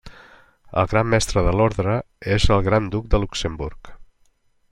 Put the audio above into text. El Gran Mestre de l'Orde és el Gran Duc de Luxemburg.